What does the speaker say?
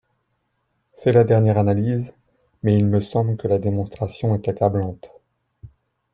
C’est la dernière analyse, mais il me semble que la démonstration est accablante.